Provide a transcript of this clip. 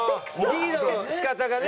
リードの仕方がね。